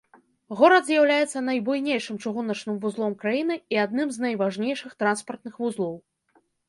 Горад з'яўляецца найбуйнейшым чыгуначным вузлом краіны і адным з найважнейшых транспартных вузлоў.